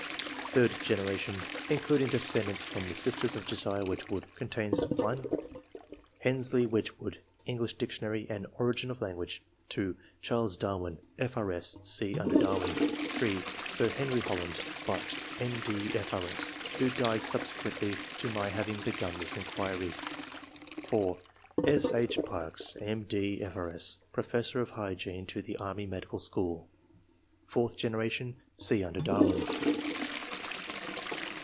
Third generation, including descendants from the sisters of Josiah Wedgewood, contains :— (1) Hensleigh Wedgewood (English Dictionary and "Origin of Language"); (2) Charles Darwin, F.RS. (see under Darwin) ; (3) Sir Henry Hol land, Bart., M.D., F.R.S., who died subsequently to my having begun this inquiry; (4) S. H. 64 ENGLISH MEN OF SCIENCE. [chap. Parkes, M.D., RK.S., professor of hygidne to the Army Medical School. Fourth generation. — (See under Darwin.)